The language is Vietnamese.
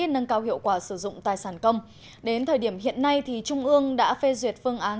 nâng cao hiệu quả sử dụng tài sản công đến thời điểm hiện nay trung ương đã phê duyệt phương án